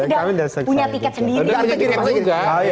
kami sudah punya tiket sendiri